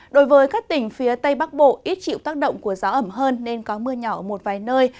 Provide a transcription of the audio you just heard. đối với các tỉnh phía tây bắc bộ ít chịu tác động của gió ẩm hơn nên có mưa nhỏ ở một vài nơi